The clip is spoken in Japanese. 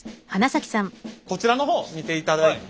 こちらの方見ていただいて。